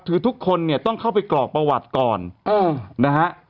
คือทุกคนเนี่ยต้องเข้าไปกรอกประวัติก่อนนะฮะ